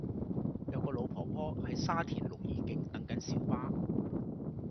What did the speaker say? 有個老婆婆喺沙田綠怡徑等緊小巴